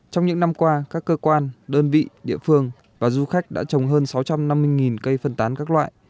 trong những năm qua các cơ quan đơn vị địa phương và du khách đã trồng hơn sáu trăm năm mươi cây phân tán các loại